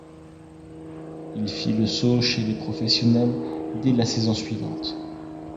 Il fit le saut chez les professionnels dès la saison suivante.